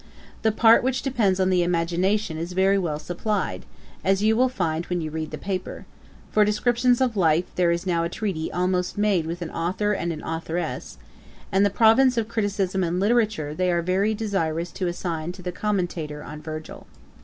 The part which depends on the imagination is very well supplied, as you will find when you read the paper; for descriptions of life, there is now a treaty almost made with an authour and an authouress; and the province of criticism and literature they are very desirous to assign to the commentator on Virgil.